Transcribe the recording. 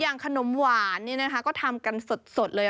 อย่างขนมหวานก็ทำกันสดเลย